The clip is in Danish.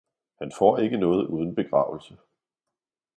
Han får ikke noget, uden begravelse!